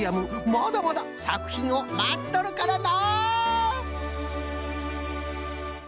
まだまださくひんをまっとるからの！